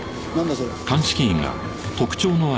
それ。